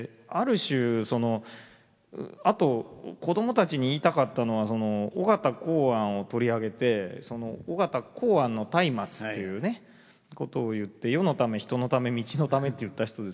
そのあと子供たちに言いたかったのは緒方洪庵を取り上げて緒方洪庵のたいまつっていうことを言って「世のため人のため道のため」って言った人ですよね。